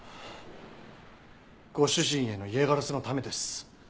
ご主人への嫌がらせのためです。